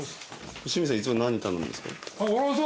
清水さんいつも何頼むんですか？